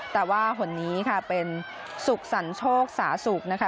แต่ว่าคนนี้ค่ะเป็นสุขสรรโชคสาสุกนะคะ